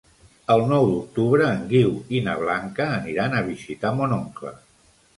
El nou d'octubre en Guiu i na Blanca aniran a visitar mon oncle.